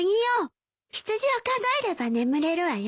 羊を数えれば眠れるわよ。